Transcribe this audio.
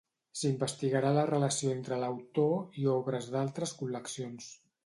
S'investigarà la relació entre l'autor i obres d'altres col·leccions.